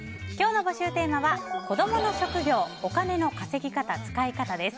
募集テーマは子供の職業お金の稼ぎ方・使い方です。